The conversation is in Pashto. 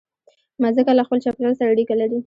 مځکه له خپل چاپېریال سره اړیکه لري.